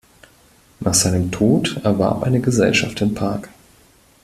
Nach seinem Tod erwarb eine Gesellschaft den Park.